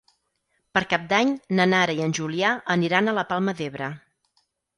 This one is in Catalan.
Per Cap d'Any na Nara i en Julià aniran a la Palma d'Ebre.